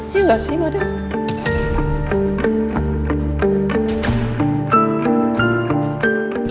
iya gak sih madem